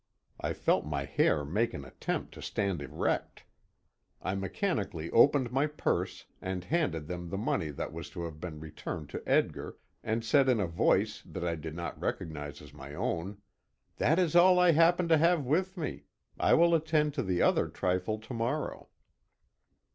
I felt my hair make an attempt to stand erect. I mechanically opened my purse, and handed them the money that was to have been returned to Edgar, and said in a voice that I did not recognize as my own: "That is all I happen to have with me I will attend to the other trifle to morrow."